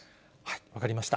分かりました。